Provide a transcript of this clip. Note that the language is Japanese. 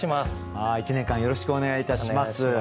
１年間よろしくお願いいたします。